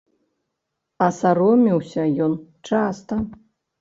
А саромеўся ён часта.